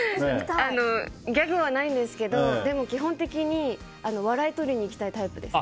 ギャグはないんですけどでも、基本的に笑い取りにいきたいタイプです。